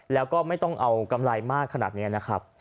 แล้วก็ไม่ต้องเอากำไรมากขนาดนี้นะครับ